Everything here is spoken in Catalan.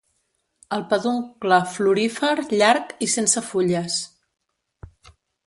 El peduncle florífer llarg i sense fulles.